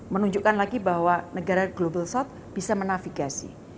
menunjukkan lagi bahwa negara global south bisa menafigasi